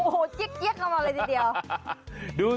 โหเจี๊ยกเข้ามาเลยทีเดียว